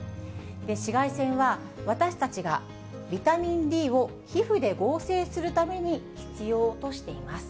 紫外線は私たちがビタミンＤを皮膚で合成するために必要としています。